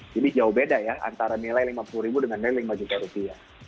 jadi jauh beda ya antara nilai lima puluh ribu dengan nilai lima juta rupiah